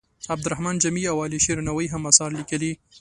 عبدالرحمان جامي او علي شیر نوایې هم اثار لیکلي.